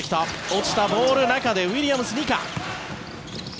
落ちたボール中でウィリアムス・ニカ。